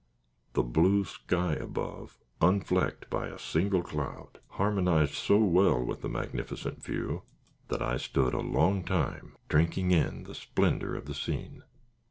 The blue sky above, unflecked by a single cloud, harmonized so well with the magnificent view, that I stood a long time, drinking in the splendor of the scene.